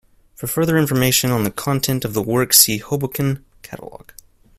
For further information on the content of the work see "Hoboken catalog".